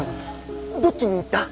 どっちに行った？